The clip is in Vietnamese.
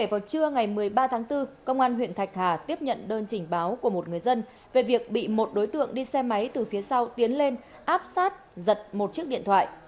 vào trưa ngày một mươi ba tháng bốn công an huyện thạch hà tiếp nhận đơn trình báo của một người dân về việc bị một đối tượng đi xe máy từ phía sau tiến lên áp sát giật một chiếc điện thoại